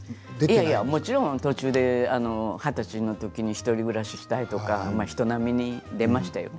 もちろん途中で二十歳のときに１人暮らしをしたり人並みに出ましたよ。